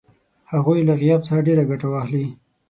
هغوی له غیاب څخه ډېره ګټه واخلي.